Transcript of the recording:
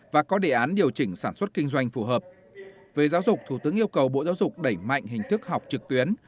về giáo dục thủ tướng yêu cầu bộ giáo dục đẩy mạnh hình thức học trực tuyến